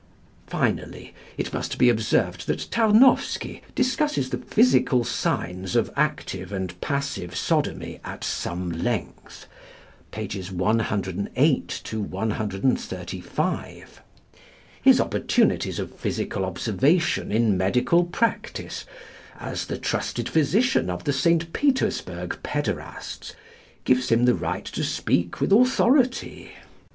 Finally, it must be observed that Tarnowsky discusses the physical signs of active and passive sodomy at some length (108 135). His opportunities of physical observation in medical practice as the trusted physician of the St. Petersburg pæderasts gives him the right to speak with authority.